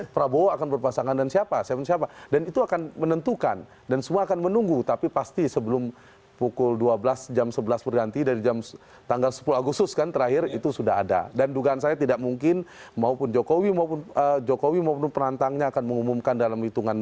prabowo akan berpasangan dengan siapa